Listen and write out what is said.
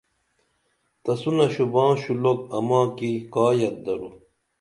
تسونہ شوباں شُلُوک اماں کی کا یت درو